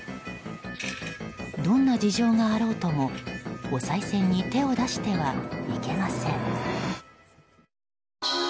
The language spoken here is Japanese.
どんな事情があろうともおさい銭に手を出してはいけません。